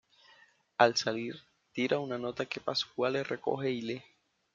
Al salir, tira una nota que Pasquale recoge y lee.